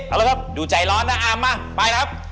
ไปเลยมั้ยพี่ดูใจร้อนนะอามมาไปครับ